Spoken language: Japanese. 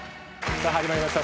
さぁ始まりました